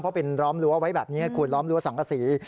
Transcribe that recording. เพราะเป็นล้อมรั้วไว้แบบนี้คุณล้อมรั้วสังกษี